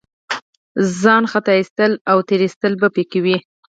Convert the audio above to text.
ځان غولول او تېر ایستل به په کې وي.